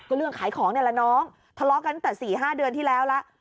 ก็เรื่องขายของนี่แหละน้องทะเลาะกันตั้งแต่๔๕เดือนที่แล้วแล้ว